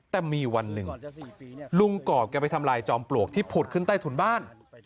แต่มีวันหนึ่งลุงกอกแกไปทำลายจอมปลวกที่ผุดขึ้นใต้ถุนบ้าน